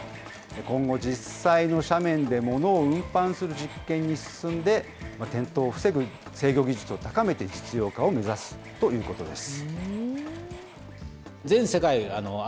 今後、実際の斜面でものを運搬する実験に進んで、転倒を防ぐ制御技術を高めて、実用化を目指すということです。